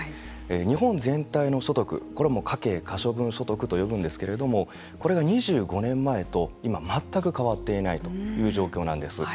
日本全体の所得これは家計可処分所得と呼ぶんですけれどもこれが２５年前と今、全く変わっていないという状況なんです。